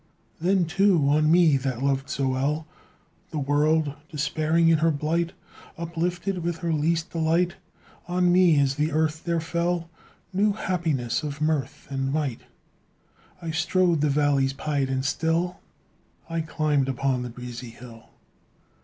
Then, too, on me that loved so well The world, despairing in her blight, Uplifted with her least delight, On me, as on the earth, there fell New happiness of mirth and might; I strode the valleys pied and still; I climbed upon the breezy hill.